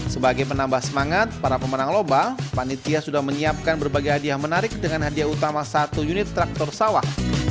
sebagai penambah semangat para pemenang lomba panitia sudah menyiapkan berbagai hadiah menarik dengan hadiah utama satu unit traktor sawah